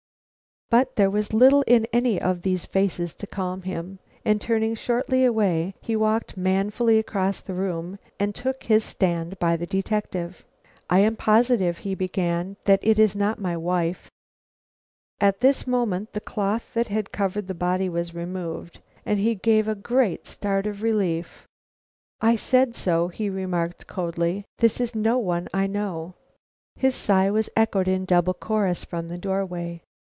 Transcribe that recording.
But there was little in any of these faces to calm him, and turning shortly away, he walked manfully across the room and took his stand by the detective. "I am positive," he began, "that it is not my wife " At this moment the cloth that covered the body was removed, and he gave a great start of relief. "I said so," he remarked, coldly. "This is no one I know." His sigh was echoed in double chorus from the doorway.